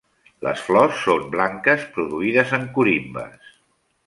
Les flors són blanques produïdes en corimbes.